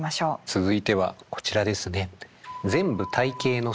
続いてはこちらですね。